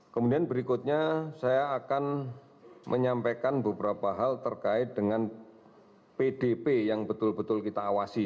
kemudian berikutnya saya akan menyampaikan beberapa hal terkait dengan pdp yang betul betul kita awasi